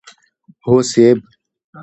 هو صيب!